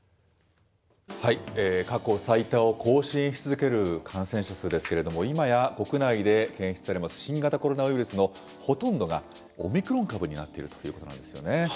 過去最多を更新し続ける感染者数ですけれども、いまや国内で検出されます新型コロナウイルスのほとんどがオミクロン株になっているということなんですよね。